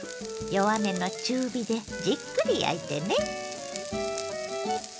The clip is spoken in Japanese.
弱めの中火でじっくり焼いてね。